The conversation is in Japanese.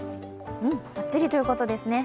うん、ばっちりということですね。